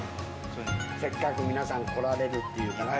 せっかく皆さん来られるっていうから。